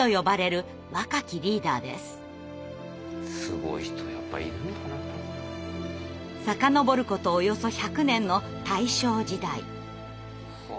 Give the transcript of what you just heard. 遡ることおよそ１００年の大正時代。